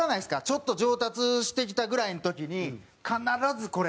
ちょっと上達してきたぐらいの時に必ずこれ。